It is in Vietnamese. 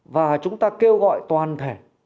và chúng ta kêu gọi toàn thể